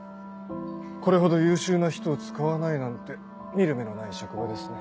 これほど優秀な人を使わないなんて見る目のない職場ですね。